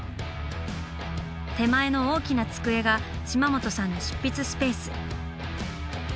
手前の大きな机が島本さんの執筆スペース。